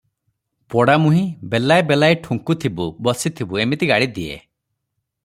ପୋଡାମୁହିଁ, ବେଲାଏ ବେଲାଏ ଠୁଙ୍କୁଥିବୁ ବସିଥିବୁ' ଏମିତି ଗାଳି ଦିଏ ।